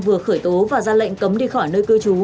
vừa khởi tố và ra lệnh cấm đi khỏi nơi cư trú